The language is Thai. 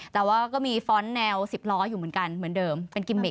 แต่ว่าก็มีฟ้อนต์แนว๑๐ล้ออยู่เหมือนกันเหมือนเดิมเป็นกิมเม็